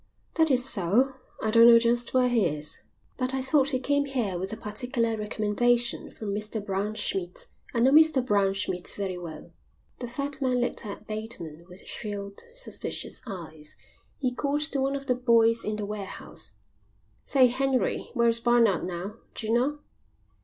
"That is so. I don't know just where he is." "But I thought he came here with a particular recommendation from Mr Braunschmidt. I know Mr Braunschmidt very well." The fat man looked at Bateman with shrewd, suspicious eyes. He called to one of the boys in the warehouse. "Say, Henry, where's Barnard now, d'you know?"